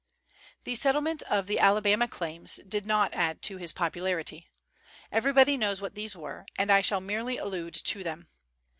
The settlement of the Alabama Claims did not add to his popularity. Everybody knows what these were, and I shall merely allude to them.